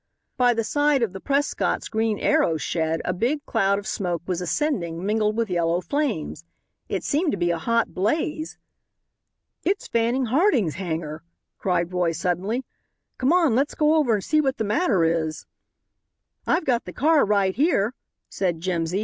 By the side of the Prescott's green aero shed a big cloud of smoke was ascending, mingled with yellow flames. It seemed to be a hot blaze. "It's Fanning Harding's hangar!" cried Roy suddenly; "come on, let's go over and see what the matter is." "I've got the car right here," said Jimsy.